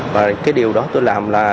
và cái điều đó tôi làm là